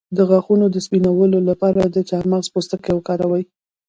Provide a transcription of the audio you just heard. د غاښونو د سپینولو لپاره د چارمغز پوستکی وکاروئ